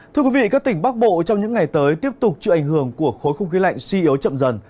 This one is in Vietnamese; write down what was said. thưa quý vị các tỉnh bắc bộ trong những ngày tới tiếp tục chịu ảnh hưởng của khối không khí lạnh suy yếu chậm dần